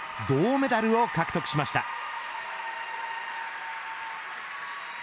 銅メダルを獲得しました。